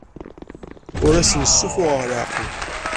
Ur asen-ssuffuɣeɣ leɛqel.